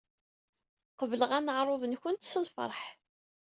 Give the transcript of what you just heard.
Qebleɣ aneɛṛuḍ-nkent s lfeṛḥ.